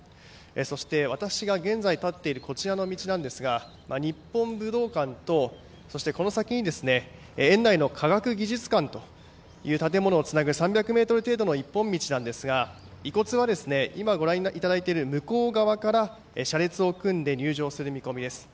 そして私が現在立っているこちらの道なんですが日本武道館と、そしてこの先に園内の科学技術館という建物をつなぐ３００ｍ程度の一本道なんですが遺骨は今、ご覧いただいている向こう側から車列を組んで入場する見込みです。